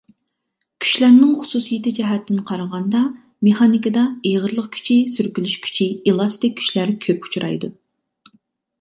كۈچلەرنىڭ خۇسۇسىيىتى جەھەتتىن قارىغاندا، مېخانىكىدا ئېغىرلىق كۈچى، سۈركىلىش كۈچى، ئېلاستىك كۈچلەر كۆپ ئۇچرايدۇ.